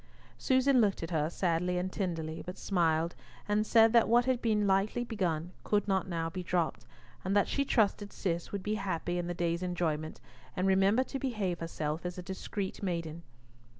Susan looked at her sadly and tenderly, but smiled, and said that what had been lightly begun could not now be dropped, and that she trusted Cis would be happy in the day's enjoyment, and remember to behave herself as a discreet maiden.